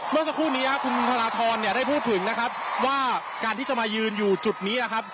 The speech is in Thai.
เมื่อสักครู่นี้คุณธนทรเนี่ยได้พูดถึงนะครับว่าการที่จะมายืนอยู่จุดนี้นะครับ